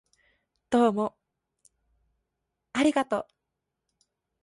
どうもありがとう